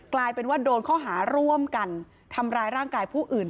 กลายเป็นว่าโดนข้อหาร่วมกันทำร้ายร่างกายผู้อื่น